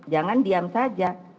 jangan diam saja